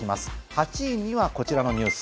８位にはこちらのニュース。